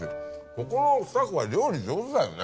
ここのスタッフは料理上手だよね。